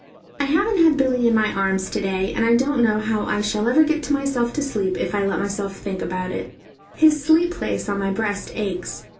I haven't had Billy in my arms to day, and I don't know how I shall ever get myself to sleep if I let myself think about it. His sleep place on my breast aches.